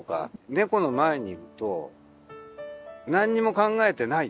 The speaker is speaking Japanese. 猫の前にいると何にも考えてないっていう。